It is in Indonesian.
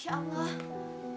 ya ampun ya ampun